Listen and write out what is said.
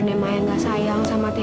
segan morsi dengan mereka